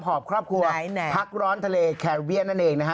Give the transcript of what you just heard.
อบครอบครัวพักร้อนทะเลแคเวียนนั่นเองนะฮะ